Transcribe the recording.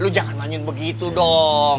lo jangan nanyun begitu dong